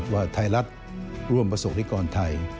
ว่าไทยรัฐร่วมประสบนิกรไทย